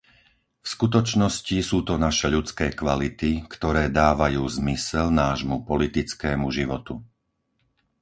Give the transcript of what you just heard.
V skutočnosti sú to naše ľudské kvality, ktoré dávajú zmysel nášmu politickému životu.